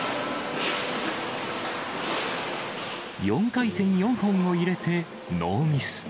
４回転４本を入れて、ノーミス。